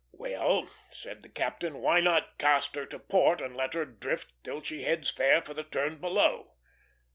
"Well," said the captain, "why not cast her to port, and let her drift till she heads fair for the turn below?"